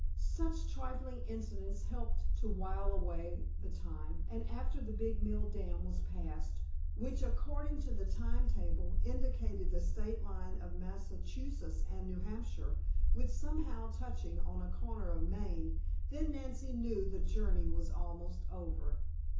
Such trifling incidents helped to while away the time, and after the big mill dam was passed, which according to the timetable indicated the state line of Massachusetts and New Hampshire, with somehow touching on a corner of Maine, then Nancy knew the journey was almost over.